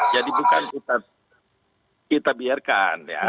jadi bukan kita biarkan ya